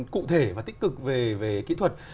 cụ thể và tích cực về kỹ thuật